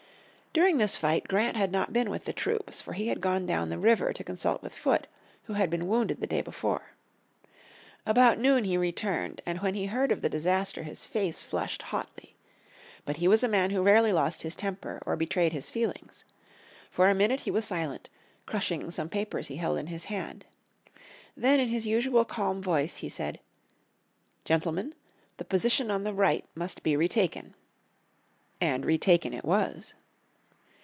During this fight Grant had not been with the troops, for he had gone down the river to consult with Foote, who had been wounded the day before. About noon he returned, and when he heard of the disaster his face flushed hotly. But he was a man who rarely lost his temper, or betrayed his feelings. For a minute he was silent, crushing some papers he held in his hand. Then in his usual calm voice he said, "Gentlemen, the position on the right must be retaken." And retaken it was.